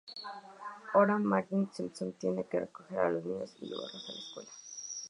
Ahora Marge Simpson tiene que recoger a los niños y llevarlos a la escuela.